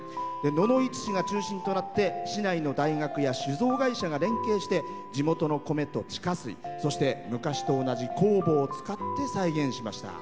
野々市市が中心となって市内の大学や酒造会社が連携して地元の米と地下水そして、昔と同じ酵母を使って再現しました。